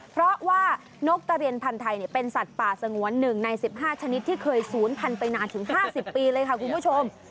เพราะว่านกกระเรียนพันธ์ไทยเป็นสัตว์ป่าสงวน๑ใน๑๕ชนิดที่เคยศูนย์พันธุไปนานถึง๕๐ปีเลยค่ะคุณผู้ชม